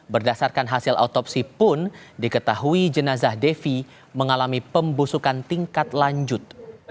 berdasarkan hasil otopsi pun diketahui jenazah devi mengalami pembusukan tingkat lanjut